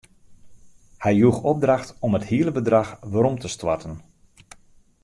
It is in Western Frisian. Hy joech opdracht om it hiele bedrach werom te stoarten.